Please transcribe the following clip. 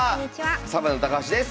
サバンナ高橋です。